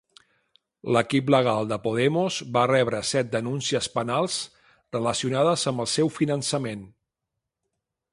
L'equip legal de Podemos va rebre set denúncies penals relacionades amb el seu finançament.